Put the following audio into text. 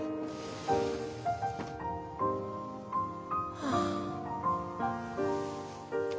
はあ。